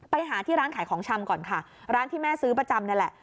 ไปหาที่ร้านขายของชำก่อนค่ะร้านที่แม่ซื้อประจำนี่แหละ